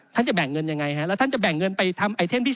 ท่านจะแบ่งเงินอย่างไรแล้วท่านจะแบ่งเงินไปทำไอเทมที่๓